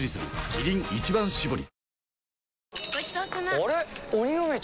キリン「一番搾り」